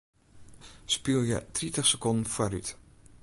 Spylje tritich sekonden foarút.